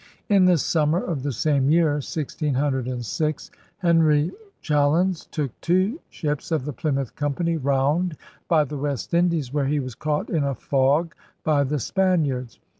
In the summer of the same year, 1606, Henry THE VISION OF THE WEST 219 Challons took two ships of the Plymouth Company round by the West Indies, where he was caught in a fog by the Spaniards.